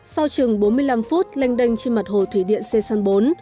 sau chừng bốn mươi năm phút lanh đênh trên mặt hồ thủy điện sê san bốn